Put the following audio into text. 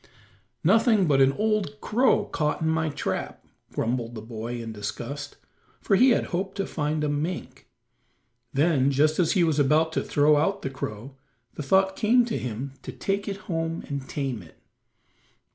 "Nothing but an old crow caught in my trap," grumbled the boy in disgust, for he had hoped to find a mink. Then, just as he was about to throw out the crow, the thought came to him to take it home and tame it.